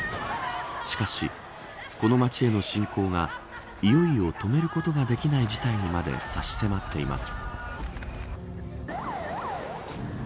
しかし、この街への侵攻がいよいよ止めることができない事態にまで差し迫っています。